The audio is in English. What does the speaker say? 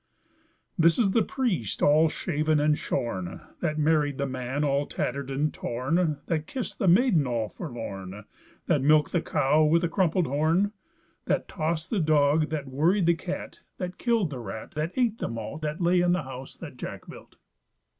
This is the Man all tattered and torn, That kissed the Maiden all forlorn, That milked the Cow with the crumpled horn, That tossed the Dog, That worried the Cat, That killed the Rat, That ate the Malt, That lay in the House that Jack built.